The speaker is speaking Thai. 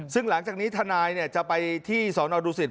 ซึ่งหลังจากนี้ทนายจะไปที่สอนอดูสิต